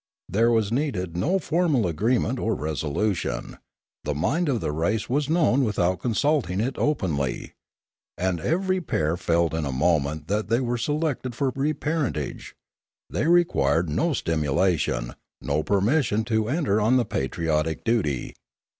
There was needed no formal agreement or resolution ; the mind of the race was known without consulting it openly; and every pair felt in a moment that they were selected for reparentage; they required no stimulation, no permis sion to enter on the patriotic duty.